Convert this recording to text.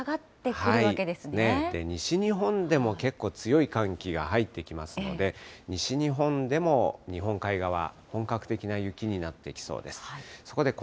西日本でも結構強い寒気が入ってきますので、西日本でも日本海側、本格的な雪になってきそうです。